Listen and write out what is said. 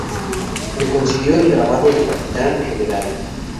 Le concedió el grado de Capitán General.